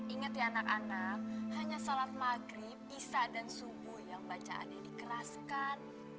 ingat ya anak anak hanya sholat maghrib isa dan subuh yang bacaannya dikeraskan